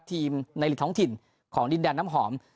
ทีมในหลีกท้องถิ่นของดินแดนน้ำหอม